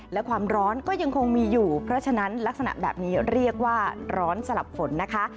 และความร้อนก็ยังคงมีอยู่เพราะฉะนั้นลักษณะแบบนี้เรียกว่าร้อนสลับฝนนะคะ